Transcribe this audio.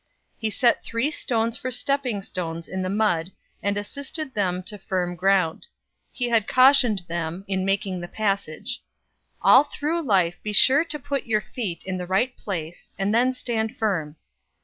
He set three stones for stepping stones in the mud, and assisted them to firm ground. He had cautioned them in making the passage: "All through life be sure you put your feet in the right place, and then stand firm!"